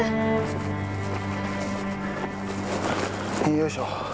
よいしょ。